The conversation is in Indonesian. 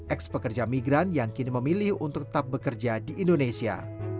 ex pekerja migran yang kini memilih untuk tetap bekerja di indonesia